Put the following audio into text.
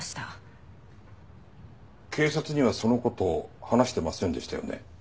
警察にはその事を話してませんでしたよね？